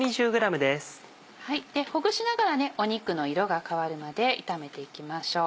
ほぐしながら肉の色が変わるまで炒めていきましょう。